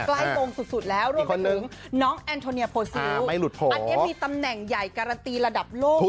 ใกล้มงสุดแล้วรวมไปถึงน้องแอนโทเนียโพซิลอันนี้มีตำแหน่งใหญ่การันตีระดับโลก